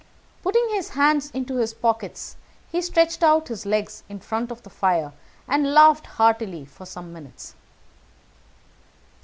Putting his hands into his pockets, he stretched out his legs in front of the fire, and laughed heartily for some minutes.